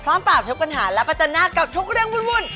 ปราบทุกปัญหาและประจันหน้ากับทุกเรื่องวุ่น